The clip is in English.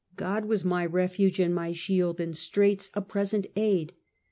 God was " my refuge and my shield, in straits a present aid."